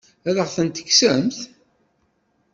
Ad aɣ-ten-tekksemt?